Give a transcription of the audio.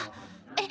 え？